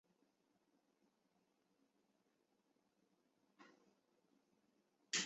曾于汉和帝永元九年。